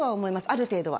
ある程度は。